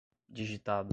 digitado